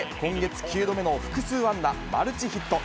強烈な一打で、今月９度目の複数安打、マルチヒット。